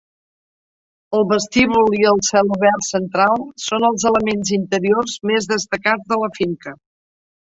El vestíbul i el celobert central són els elements interiors més destacats de la finca.